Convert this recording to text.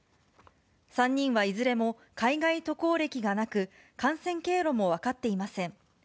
３人はいずれも海外渡航歴がなく、感染経路も分かっていません。